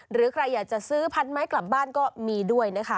หรือใครอยากจะซื้อพันไม้กลับบ้านก็มีด้วยนะคะ